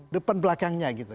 depan belakangnya gitu